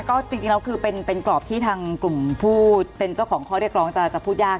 ก็จริงแล้วคือเป็นกรอบที่ทางกลุ่มผู้เป็นเจ้าของข้อเรียกร้องจะพูดยาก